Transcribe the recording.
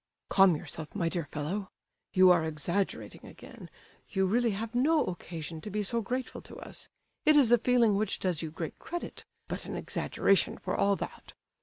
"Calm yourself, my dear fellow. You are exaggerating again; you really have no occasion to be so grateful to us. It is a feeling which does you great credit, but an exaggeration, for all that."